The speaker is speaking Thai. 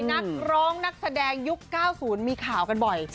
นักร้องนักแสดงยุค๙๐มีข่าวกันบ่อย